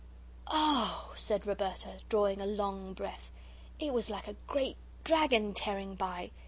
"Oh!" said Roberta, drawing a long breath; "it was like a great dragon tearing by.